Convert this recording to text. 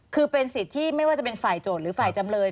คือเป็นสิทธิ์ที่ไม่ว่าจะเป็นฝ่ายโจทย์หรือฝ่ายจำเลย